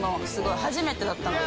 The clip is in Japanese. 初めてだったので。